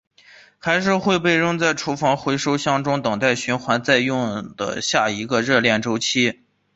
还是会被扔在厨余回收箱中等待循环再用的下一个热恋周期？